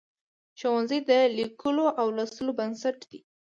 ښوونځی د لیکلو او لوستلو بنسټ دی.